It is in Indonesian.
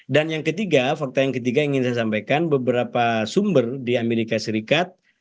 dan yang ketiga fakta yang ketiga ingin saya sampaikan beberapa sumber di amerika serikat